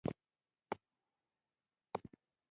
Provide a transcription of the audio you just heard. هلک له خندا نه ژوند جوړوي.